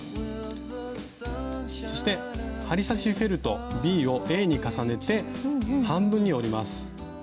そして針刺しフェルトＢをＡに重ねて半分に折ります。